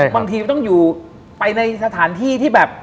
บางทีต้องอยู่ไปในสถานที่ที่แบบ